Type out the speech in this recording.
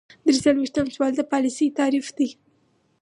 درې څلویښتم سوال د پالیسۍ تعریف دی.